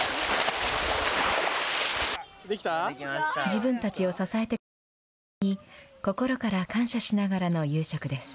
自分たちを支えてくれたニワトリに、心から感謝しながらの夕食です。